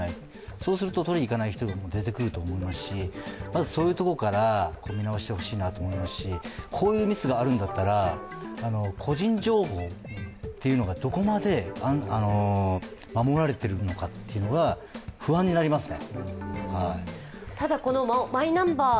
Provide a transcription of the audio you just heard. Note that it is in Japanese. そうすると、取りに行く人が少なくなりますし、まずそういうところから見直してほしいなと思いますし、こういうミスがあるんだったら個人情報っていうのがどこまで守られているのか不安になりますね。